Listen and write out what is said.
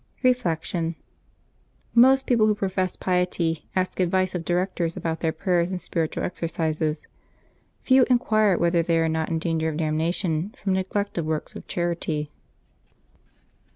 Reflection. — Most people who profess piety ask advice of directors about their prayers and spiritual exercises. Few inquire whether they are not in danger of damnation from neglect of works of charity.